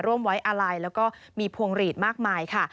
ร่วมไว้อาลัยแล้วก็มีพวงหลีดมากมายค่ะ